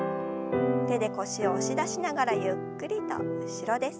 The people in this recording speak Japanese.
手で腰を押し出しながらゆっくりと後ろです。